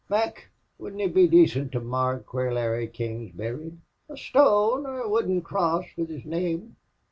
"Mac, wouldn't it be dacent to mark where Larry King's buried? A stone or wooden cross with his name?"